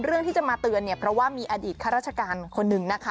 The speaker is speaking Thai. เรื่องที่จะมาเตือนเนี่ยเพราะว่ามีอดีตข้าราชการคนหนึ่งนะคะ